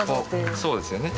そうですよね。